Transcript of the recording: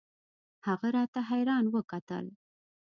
هغه راته حيران وکتل.